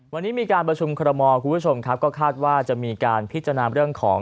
วันนี้มีการประชุมคอรมอลคุณผู้ชมครับก็คาดว่าจะมีการพิจารณาเรื่องของ